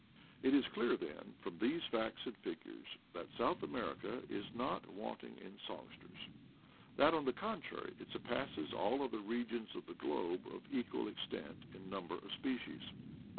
It is clear then, from these facts and figures, that South America is not wanting in songsters, that, on the contrary, it surpasses all other re gions of the globe of equal extent in number of species.